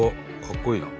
かっこいいな。